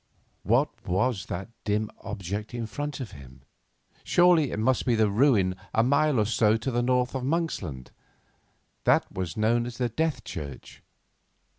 What was that dim object in front of him? Surely it must be the ruin a mile or so to the north of Monksland, that was known as the Death Church?